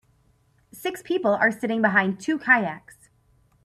Six people are sitting behind two kayaks.